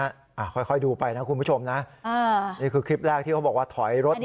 อ่าค่อยค่อยดูไปนะคุณผู้ชมนะอ่านี่คือคลิปแรกที่เขาบอกว่าถอยรถ